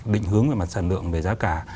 định hướng về mặt sản lượng về giá cả